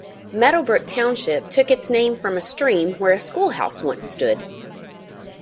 Meadow Brook Township took its name from a stream where a schoolhouse once stood.